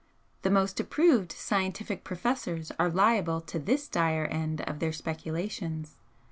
The most approved scientific professors are liable to this dire end of their speculations.